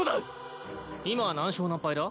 今何勝何敗だ？